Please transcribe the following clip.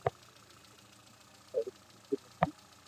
ھين ايڪ ديڪري ھي